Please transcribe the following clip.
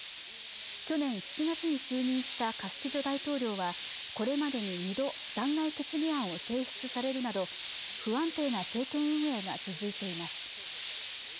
去年７月に就任したカスティジョ大統領はこれまでに２度弾劾決議案を提出されるなど不安定な政権運営が続いています